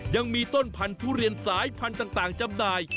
ยังมีต้นพันธุเรียนสายพันธุ์ต่างจำหน่าย